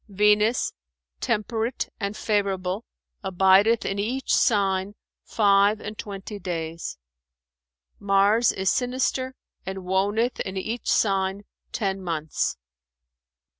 Venus, temperate and favourable, abideth in each sign five and twenty days. Mars is sinister and woneth in each sign ten months.